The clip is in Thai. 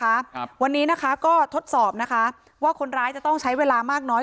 ครับวันนี้นะคะก็ทดสอบนะคะว่าคนร้ายจะต้องใช้เวลามากน้อย